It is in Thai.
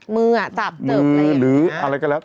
มืออ่ะตับเติบอะไรอย่างนี้